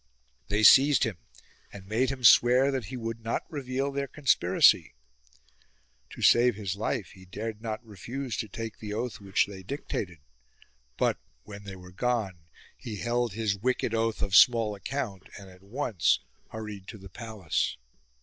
They seized him and made him swear that he would not reveal their conspiracy. To save his life, he dared not refuse to take the oath which they dictated : but, when they were gone, he held his wicked oath of small account and at once hurried to the palace.